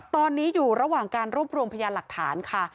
ตอนนี้อยู่ระหว่างการรวบรวมพยานหลักฐานค่ะ